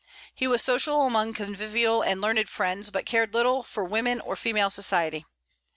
He was social among convivial and learned friends, but cared little for women or female society.